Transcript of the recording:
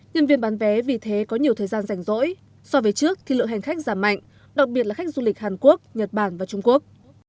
nhân viên bán vé vì thế có nhiều thời gian rảnh rỗi so với trước thì lượng hành khách giảm mạnh đặc biệt là khách du lịch hàn quốc nhật bản và trung quốc